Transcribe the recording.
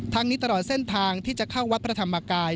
นี้ตลอดเส้นทางที่จะเข้าวัดพระธรรมกาย